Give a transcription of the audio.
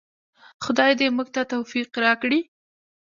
خدای دې موږ ته توفیق راکړي؟